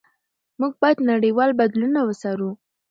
موږ باید نړیوال بدلونونه وڅارو.